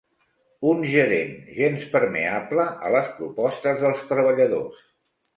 Un gerent gens permeable a les propostes dels treballadors.